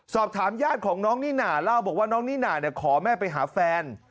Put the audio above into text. สอบถามญาติของน้องนิน่าเล่าบอกว่าน้องนิน่าขอแม่ไปหาแฟน